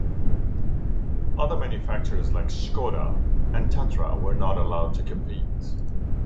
Other manufacturers like Škoda und Tatra were not allowed to compete.